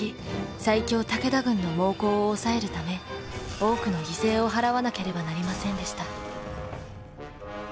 最強武田軍の猛攻を抑えるため多くの犠牲を払わなければなりませんでした。